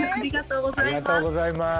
ありがとうございます。